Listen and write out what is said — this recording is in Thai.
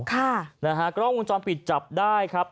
ค่ะนะฮะกล้องวงจรปิดจับได้ครับ